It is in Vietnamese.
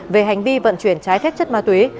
về hành vi vận chuyển trái phép chất ma túy